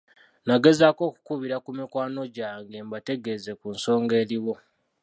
Nagezaako okukubira ku mikwano gyange mbategeeze ku nsonga eriwo.